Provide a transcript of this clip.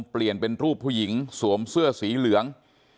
เปลี่ยนเป็นรูปผู้หญิงสวมเสื้อสีเหลือง